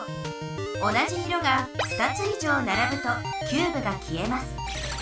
同じ色が２つ以上ならぶとキューブが消えます。